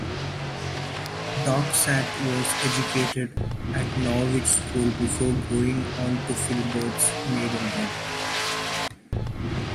Doxat was educated at Norwich School before going on to Philberd's, Maidenhead.